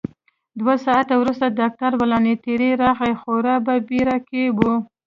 دوه ساعته وروسته ډاکټر والنتیني راغی، خورا په بېړه کې و.